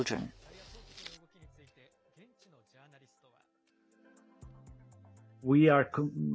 イタリア当局の動きについて現地のジャーナリストは。